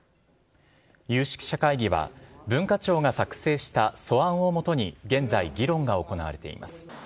有識者会議は、文化庁が作成した素案をもとに現在、議論が行われています。